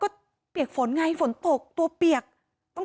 มีชายแปลกหน้า๓คนผ่านมาทำทีเป็นช่วยค่างทาง